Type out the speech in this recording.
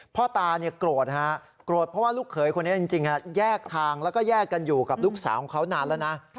พ่อตาเนี่ยโกรธฮะโกรธเพราะว่าลูกเขยคนนี้จริงแยกทางแล้วก็แยกกันอยู่กับลูกสาวของเขานานแล้วนะ